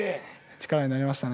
力になりましたね